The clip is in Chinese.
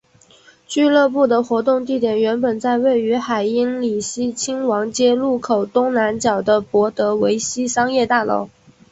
俱乐部的活动地点原本在位于海因里希亲王街路口东南角的博德维希商业大楼。